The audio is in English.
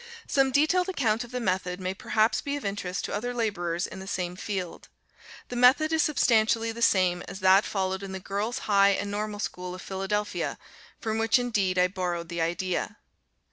Some detailed account of the method may perhaps be of interest to other laborers in the same field. The method is substantially the same as that followed in the Girls High and Normal School of Philadelphia, from which indeed I borrowed the idea.